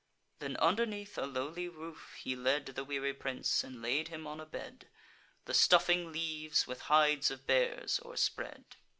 Then underneath a lowly roof he led The weary prince, and laid him on a bed; The stuffing leaves, with hides of bears o'erspread.